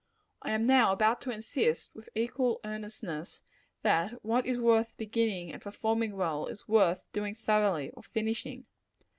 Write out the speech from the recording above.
I am now about to insist, with equal earnestness, that what is worth beginning and performing well, is worth doing thoroughly, or finishing.